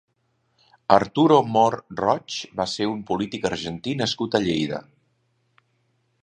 Arturo Mor Roig va ser un polític argentí nascut a Lleida.